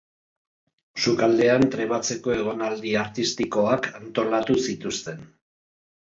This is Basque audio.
Sukaldean trebatzeko egonaldi artistikoak antolatu zituzten.